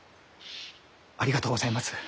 ありがとうございます。